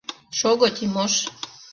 — Шого, Тимош!